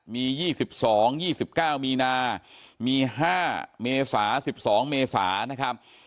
มี๒๒๒๙มีนามี๕เมษา๑๒เมษานะครับ